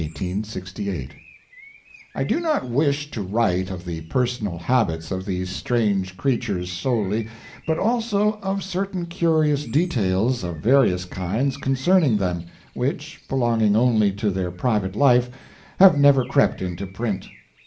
] I do not wish to write of the personal habits of these strange creatures solely, but also of certain curious details of various kinds concerning them, which, belonging only to their private life, have never crept into print.